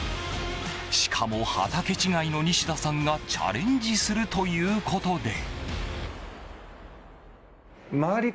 しかも、畑違いの西田さんがチャレンジするということで。